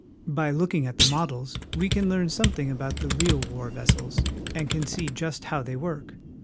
By looking at the models we can learn something about the real war vessels, and can see just how they work.